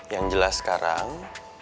yang jelas sekarang